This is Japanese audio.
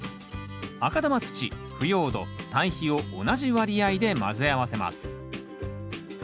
赤玉土腐葉土たい肥を同じ割合で混ぜ合わせます。